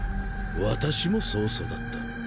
私もそう育った。